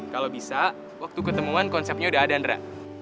kalau bisa waktu ketemuan konsepnya udah ada andra